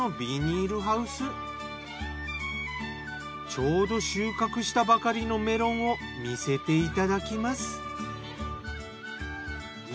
ちょうど収穫したばかりのメロンを見せていただきます。